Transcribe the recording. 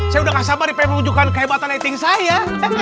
saya udah gak sabar ya pengen menunjukkan kehebatan rating saya